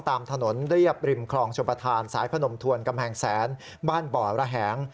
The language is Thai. ตามถนนเรียบริมคลองชมประธานสายพนมทวนกำแพงแสนบ้านบ่อระแหง